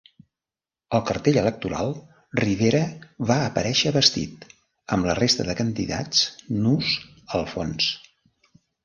Al cartell electoral, Rivera va aparèixer vestit, amb la resta de candidats nus al fons.